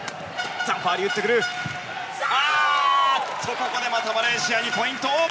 ここでまたマレーシアにポイント。